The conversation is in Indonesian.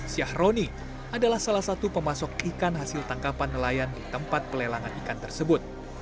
syahroni adalah salah satu pemasok ikan hasil tangkapan nelayan di tempat pelelangan ikan tersebut